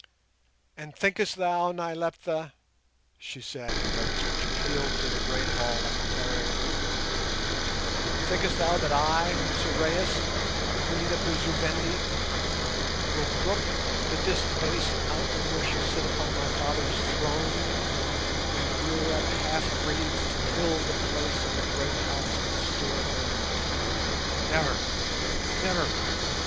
"And thinkest thou, Nyleptha," she said in notes which pealed through the great hall like a clarion, "thinkest thou that I, Sorais, a Queen of the Zu Vendi, will brook that this base outlander shall sit upon my father's throne and rear up half breeds to fill the place of the great House of the Stairway? Never! never!